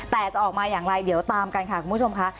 แต่จะออกมาอย่างไรเดี๋ยวตามกันค่ะคุณผู้ชมค่ะ